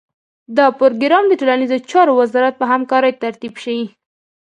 دا پروګرام د ټولنیزو چارو وزارت په همکارۍ ترتیب شي.